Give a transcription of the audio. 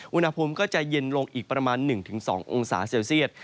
อุณหภูมิก็จะเย็นลงอีกประมาณ๑๒องศาเซลเซียต